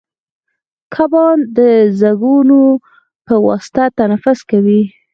کبان د زګونو په واسطه تنفس کوي